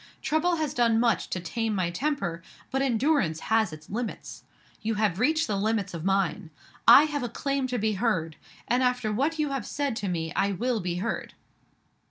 Trouble has done much to tame my temper but endurance has its limits. You have reached the limits of mine. I have a claim to be heard and after what you have said to me, I will be heard!"